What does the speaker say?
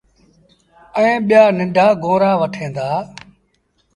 ائيٚݩ ٻيٚآ ننڍآ گونرآ وٺيٚن دآ۔